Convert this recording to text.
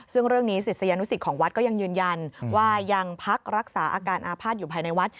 ซึ่งเรื่องนี้ศิษยานุสิตของวัดก็ยังยืนยันว่ายังพักรักษาอาการอาภาษณ์อยู่ภายในวัด